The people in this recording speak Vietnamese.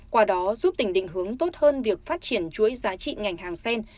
qua đó giúp tỉnh định hướng tốt hơn việc phát triển chuỗi giá trị ngành hàng sen